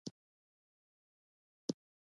نوې وسیله د ژوند اسانتیا ده